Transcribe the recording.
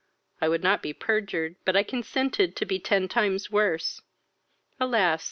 I would not be perjured, but I consented to be ten times worse. Alas!